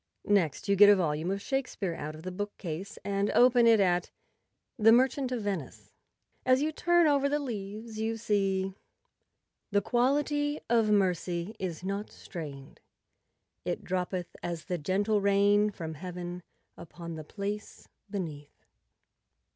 Next you get a volume of Shakespeare out of the bookcase and open it at 'The Merchant of Venice." As you turn over the leaves you see— " The quality of mercy is not strain'd. It droppeth as the gentle rain from heaven Upon the place beneath."